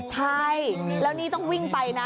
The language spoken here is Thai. ใช่แล้วนี่ต้องวิ่งไปนะ